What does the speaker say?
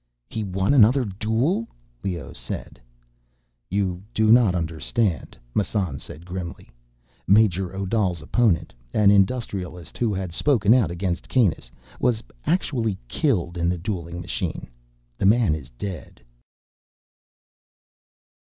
"He won another duel," Leoh said. "You do not understand," Massan said grimly. "Major Odal's opponent—an industrialist who had spoken out against Kanus—was actually killed in the dueling machine. The man is dead!"